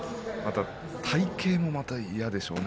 体型もまた嫌でしょうね